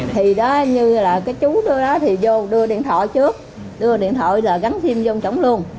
thì đó như là cái chú tôi đó thì vô đưa điện thoại trước đưa điện thoại là gắn phim vô chống luôn